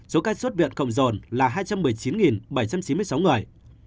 số ca xuất viện cộng dồn là hai trăm một mươi chín bảy trăm chín mươi sáu người